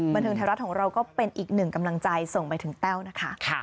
บันเทิงไทยรัฐของเราก็เป็นอีกหนึ่งกำลังใจส่งไปถึงแต้วนะคะ